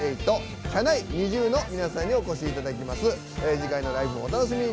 次回のライブもお楽しみに。